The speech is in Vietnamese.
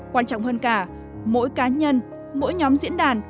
quan trọng hơn cả mỗi cá nhân mỗi nhóm diễn đàn